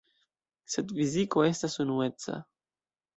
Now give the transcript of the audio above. Sed fiziko estas unueca.